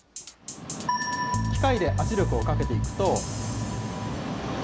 機械で圧力をかけていくと。